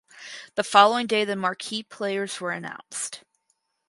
The following day the marquee players were announced.